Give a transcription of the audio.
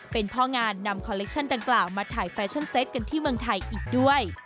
เป็นพ่องานนำคอลเลคชั่นดังกล่าวมาถ่ายแฟชั่นเซตกันที่เมืองไทยอีกด้วย